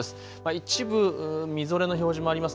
一部みぞれの表示もあります。